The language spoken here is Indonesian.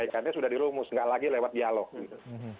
karena sudah dirumus nggak lagi lewat dialog gitu